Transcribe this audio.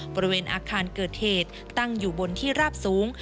บริเวณอาคารเกิดเหตุตั้งอยู่บนที่ราบสูง